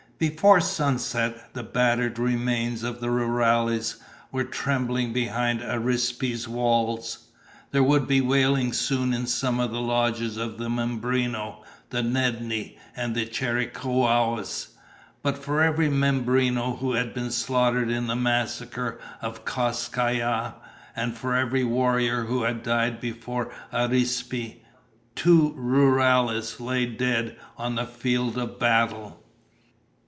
Before sunset, the battered remnants of the rurales were trembling behind Arispe's walls. There would be wailing soon in some of the lodges of the Mimbreno, the Nedni, the Chiricahuas. But for every Mimbreno who had been slaughtered in the massacre of Kas Kai Ya, and for every warrior who had died before Arispe, two rurales lay dead on the field of battle.